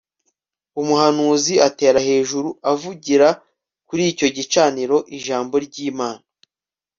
Umuhanuzi atera hejuru avugira kuri icyo gicaniro ijambo ryImana